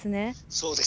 そうです。